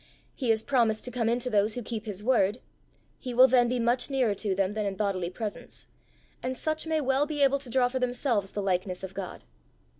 He has promised to come into those who keep his word. He will then be much nearer to them than in bodily presence; and such may well be able to draw for themselves the likeness of God.